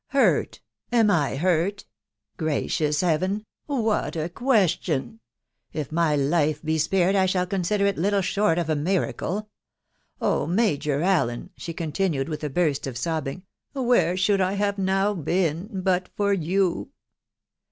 " Hurt !".... am I hurt ?.•.. Gracious Heaven ! what a question ! If my life he spared, I shall consider it little short of a miracle. ... Oh ! Major Allen/' she continued with a burst of sobbing, " where should I have now been .... hut for you